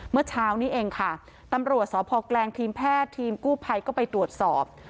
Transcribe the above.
เมื่อเช้านี้เองค่ะตำรวจสพแกลงทีมแพทย์ทีมกู้ภัยก็ไปตรวจสอบ